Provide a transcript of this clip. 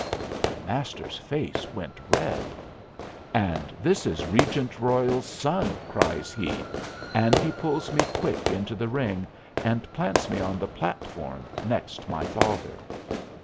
The Master's face went red. "And this is Regent Royal's son," cries he, and he pulls me quick into the ring, and plants me on the platform next my father.